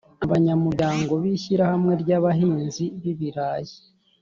abanyamuryango b’ ishyirahamwe ry’ abahinzi b’ibirayi